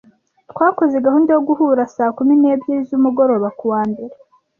Twakoze gahunda yo guhura saa kumi n'ebyiri z'umugoroba. ku wa mbere.